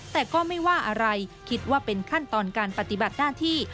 แต่ก็ไม่ว่าอะไรคิดว่าเป็นขั้นตอนการปฏิบัติหน้าที่